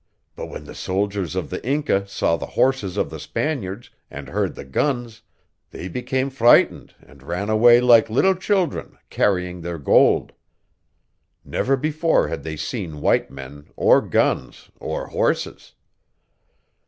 But when the soldiers of the Inca saw the horses of the Spaniards and heard the guns, they became frightened and ran away like little children, carrying their gold. Never before had they seen white men, or guns, or horses.